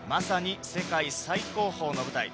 まさに世界最高峰の舞台。